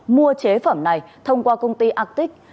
mua chế phẩm này thông qua công ty arctic